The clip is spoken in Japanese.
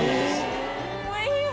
おいしい！